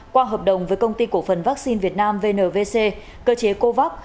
qua hợp đồng với công ty cổ phần vaccine việt nam vnvc cơ chế covax